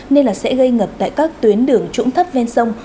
nên là sẽ gây ngập tại các tuyến đường trũng thấp ven sông